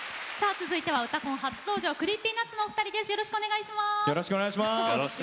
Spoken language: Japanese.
続いては「うたコン」初登場のＣｒｅｅｐｙＮｕｔｓのお二人です。